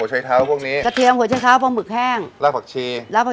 หัวใช้คร้าวพรั่งอุ่มนิดหน่อย